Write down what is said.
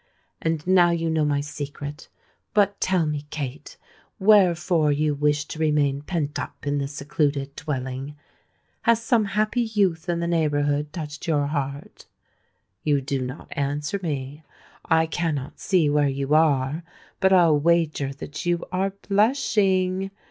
And now you know my secret. But tell me, Kate, wherefore you wish to remain pent up in this secluded dwelling? Has some happy youth in the neighbourhood touched your heart? You do not answer me. I cannot see you where you are; but I'll wager that you are blushing.